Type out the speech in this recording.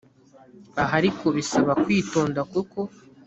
aha ariko bisaba kwitonda kuko